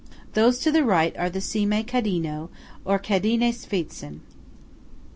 Those to the right are the Cime Cadino, or Cadine spitzen.